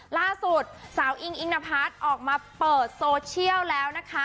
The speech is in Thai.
ล่าสุดสาวอิงอิงนพัฒน์ออกมาเปิดโซเชียลแล้วนะคะ